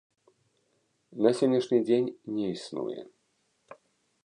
На сённяшні дзень не існуе.